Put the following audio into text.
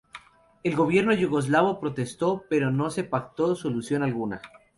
El gobierno yugoslavo protestó, pero no se pactó solución alguna.